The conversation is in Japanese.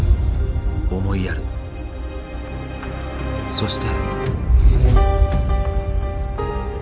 そして。